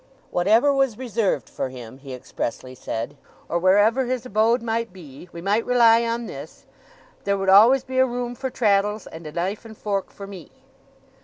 Whatever was reserved for him, he expressly said, or wherever his abode might be, we might rely on this there would always be a room for Traddles, and a knife and fork for me.